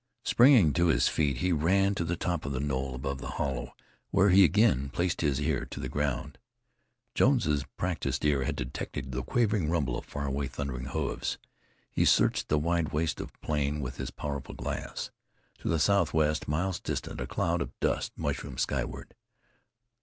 Springing to his feet, he ran to the top of the knoll above the hollow, where he again placed his ear to the ground. Jones's practiced ear had detected the quavering rumble of far away, thundering hoofs. He searched the wide waste of plain with his powerful glass. To the southwest, miles distant, a cloud of dust mushroomed skyward.